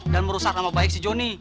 dan merusak sama baik si jonny